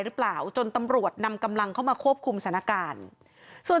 หรือเปล่าจนตำรวจนำกำลังเข้ามาควบคุมสถานการณ์ส่วน